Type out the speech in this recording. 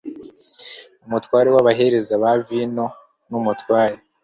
umutware w abahereza ba vino n umutware